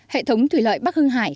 hệ thống thủy lợi bắc hưng hải